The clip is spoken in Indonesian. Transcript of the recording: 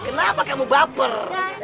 kenapa kamu baper